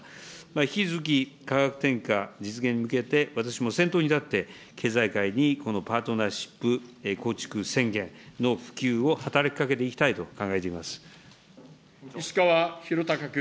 引き続き価格転嫁実現に向けて、私も先頭に立って、経済界にこのパートナーシップ構築宣言の普及を働きかけていきた石川博崇君。